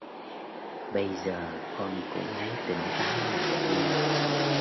Bây giờ con cũng lấy tỉnh táo lại đi